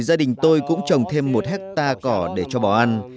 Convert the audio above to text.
gia đình tôi cũng trồng thêm một hectare cỏ để cho bò ăn